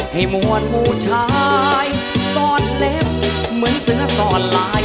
ให้หมวดผู้ชายซ่อนเล็บเหมือนเสือซ่อนลาย